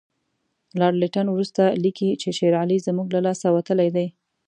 لارډ لیټن وروسته لیکي چې شېر علي زموږ له لاسه وتلی دی.